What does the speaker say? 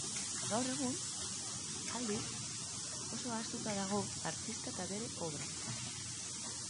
Gaur egun, aldiz, oso ahaztuta dago artista eta bere obra.